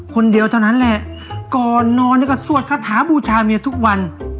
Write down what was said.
คนเดียวเท่านั้นแหละก่อนนอนเนี่ยก็สวดคาถาบูชาเมียทุกวัน